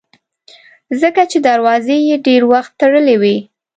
ځکه چې دروازې یې ډېر وخت تړلې وي.